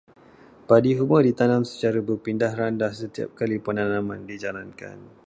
Padi huma ditanam secara berpindah-randah setiap kali penanaman dijalankan.